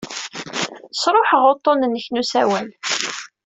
Sṛuḥeɣ uḍḍun-nnek n usawal.